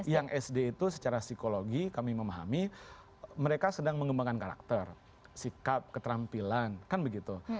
yang sd itu secara psikologi kami memahami mereka sedang mengembangkan karakter sikap keterampilan kan begitu